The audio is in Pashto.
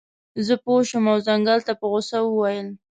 زه پوه شم او ځنګل ته په غوسه وویل.